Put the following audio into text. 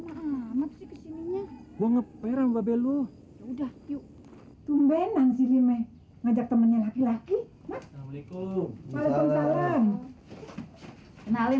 banget sih kesininya gua ngeperan babeluh udah yuk tumbenan sili me ngajak temennya laki laki